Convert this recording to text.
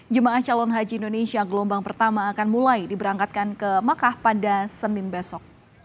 jemaah calon haji indonesia gelombang pertama akan mulai diberangkatkan ke makkah pada senin besok